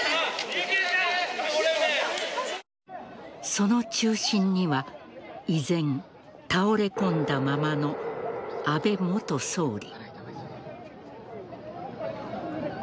その中心には依然、倒れ込んだままの安倍元総理。